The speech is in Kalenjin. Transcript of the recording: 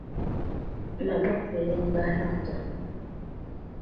mabokwekeny banoto